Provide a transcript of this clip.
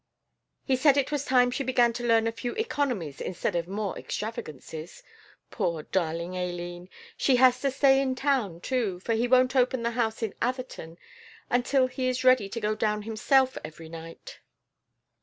He said it was time she began to learn a few economies instead of more extravagances. Poor darling Aileen. She has to stay in town, too, for he won't open the house in Atherton until he is ready to go down himself every night."